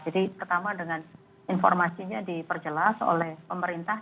pertama dengan informasinya diperjelas oleh pemerintah